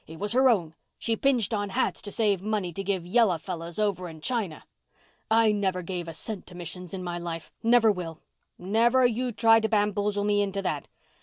It was her own—she pinched on hats to save money to give yellow fellows over in China. I never gave a cent to missions in my life—never will. Never you try to bamboozle me into that!